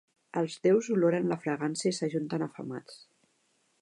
Els déus oloren la fragància i s'ajunten afamats.